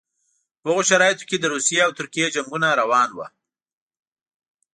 په هغو شرایطو کې د روسیې او ترکیې جنګونه روان وو.